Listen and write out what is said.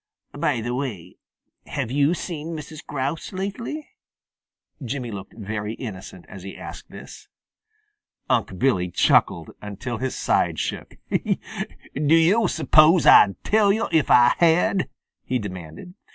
By the way, have you seen Mrs. Grouse lately?" Jimmy looked very innocent as he asked this. Unc' Billy chuckled until his sides shook. "Do yo' suppose Ah'd tell yo' if Ah had?" he demanded.